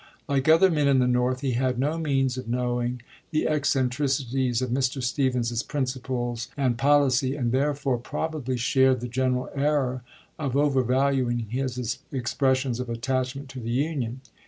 Like other men in the North, he had no means of knowing the eccentricities of Mr. Stephens's principles and policy, and therefore probably shared the general error of overvaluing his expressions of attachment to the Union.